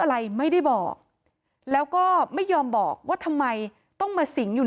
อะไรไม่ได้บอกแล้วก็ไม่ยอมบอกว่าทำไมต้องมาสิงอยู่